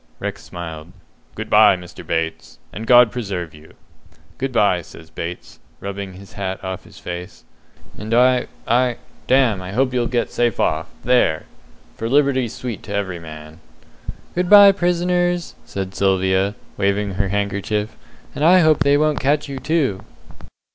Rex smiled. "Good bye, Mr. Bates, and God preserve you!" "Good bye," says Bates, rubbing his hat off his face, "and I I damme, I hope you'll get safe off there! for liberty's sweet to every man." "Good bye, prisoners!" says Sylvia, waving her handkerchief; "and I hope they won't catch you, too."